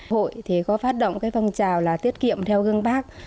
hội có phát động phong trào tiết kiệm theo gương bác